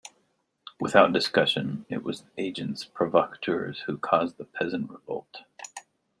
Without discussion, it was the agents provocateurs who caused the Peasant Revolt.